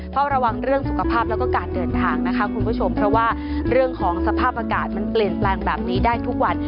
เฝ้าระวังเรื่องสุขภาพแล้วก็การเดินทางนะคะคุณผู้ชมเพราะว่าเรื่องของสภาพอากาศมันเปลี่ยนแปลงแบบนี้ได้ทุกวัน